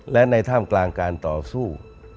และในท่ามกลางการต่อสู้